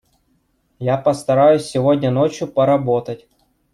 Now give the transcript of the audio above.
Я постараюсь сегодня ночью поработать.